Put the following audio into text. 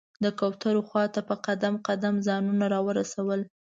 د کوترو خواته په قدم قدم ځانونه راورسول.